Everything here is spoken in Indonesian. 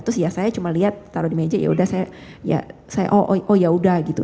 terus ya saya cuma lihat taruh di meja ya udah saya ya saya oh oh ya udah gitu